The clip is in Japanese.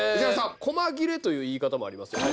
細切れという言い方もありますよね。